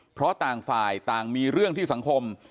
เพราะต่างฝ่ายต่างมีเรื่องที่สังคม